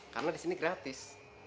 karena di sini gratis